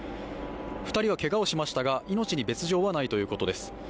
２人は、けがをしましたが命に別状はないということです。